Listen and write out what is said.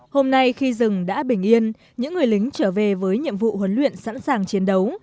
hôm nay khi rừng đã bình yên những người lính trở về với nhiệm vụ huấn luyện sẵn sàng chiến đấu